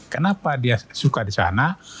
kenapa dia suka di sana